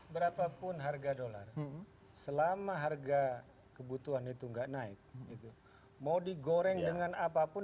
berapapun harga dolar selama harga kebutuhan itu enggak naik itu mau digoreng dengan apapun